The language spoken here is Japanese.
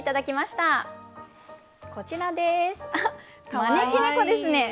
招き猫ですね。